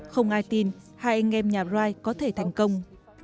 không ai tin hai anh em nhà rai có thể thành công